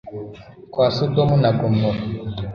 kwa Sodomu na Gomora